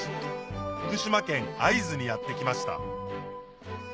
福島県会津にやって来ました